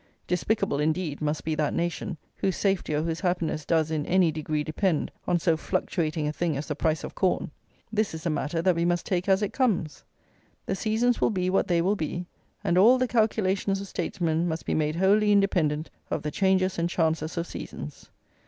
Despicable, indeed, must be that nation, whose safety or whose happiness does, in any degree, depend on so fluctuating a thing as the price of corn. This is a matter that we must take as it comes. The seasons will be what they will be; and all the calculations of statesmen must be made wholly independent of the changes and chances of seasons.